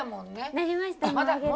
なりました。